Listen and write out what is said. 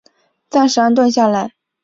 暂时安顿下来